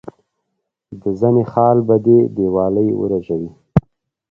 د زنه خال به دي دیوالۍ ورژوي.